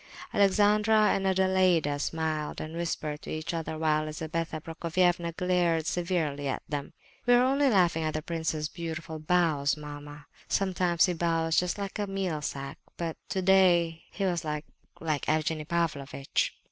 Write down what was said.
Alexandra and Adelaida smiled and whispered to each other, while Lizabetha Prokofievna glared severely at them. "We are only laughing at the prince's beautiful bows, mamma," said Adelaida. "Sometimes he bows just like a meal sack, but to day he was like—like Evgenie Pavlovitch!"